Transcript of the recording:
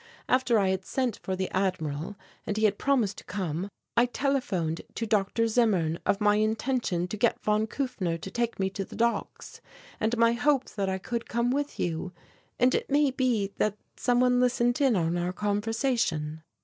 After I had sent for the Admiral and he had promised to come, I telephoned to Dr. Zimmern of my intention to get von Kufner to take me to the docks and my hope that I could come with you. And it may be that some one listened in on our conversation."